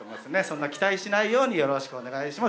そんな期待しないようによろしくお願いします。